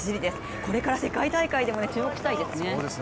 これから世界大会でも注目したいですね。